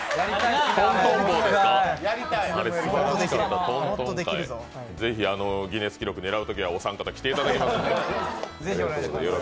あれすばらしかった、トン・トン・パッぜひギネス記録を狙うときはお三方に来ていただきます。